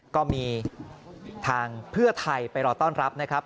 ก็มีทางเพื่อไทยไปรอต้อนรับนะครับ